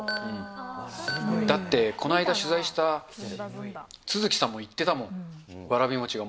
だってこの間取材した續さんも言ってたもん。